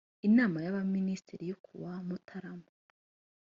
inama y abaminisitiri yo kuwa mutarama